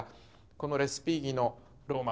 このレスピーギの「ローマの噴水」